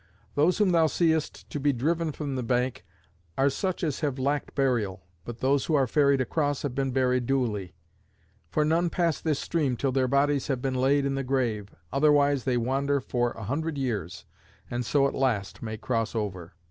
Those whom thou seest to be driven from the bank are such as have lacked burial, but those who are ferried across have been buried duly; for none pass this stream till their bodies have been laid in the grave, otherwise they wander for a hundred years, and so at last may cross over."